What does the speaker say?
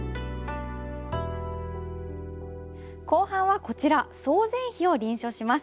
後半はこちら「曹全碑」を臨書します。